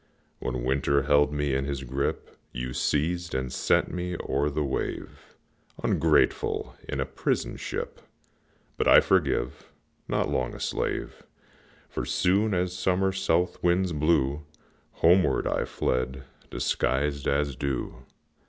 When Winter held me in his grip, You seized and sent me o'er the wave, Ungrateful! in a prison ship; But I forgive, not long a slave, For, soon as summer south winds blew, Homeward I fled, disguised as dew.